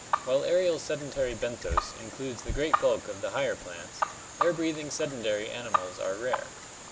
While aerial sedentary benthos includes the great bulk of the higher plants, air breathing sedentary animals are rare.